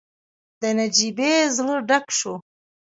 د نجيبې زړه ډک شو.